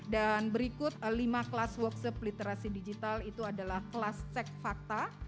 dan berikut lima kelas workshop literasi digital itu adalah kelas cek fakta